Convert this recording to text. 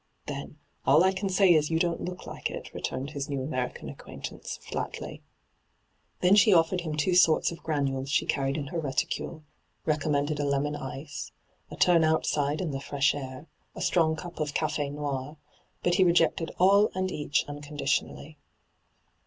' Then, all I can say is you don't look like it,' returned his new American acquaintance, flatly. Then she offered him two different sorts of granules she carried in her reticule, recom mended a lemon ice, a turn outside in the fresh air, a strong cup of caf^ noir ; but he rejected all and each unconditionally.